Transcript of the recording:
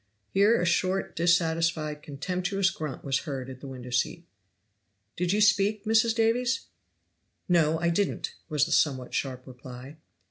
Here a short, dissatisfied, contemptuous grunt was heard at the window seat. "Did you speak, Mrs. Davies?" "No, I didn't," was the somewhat sharp reply.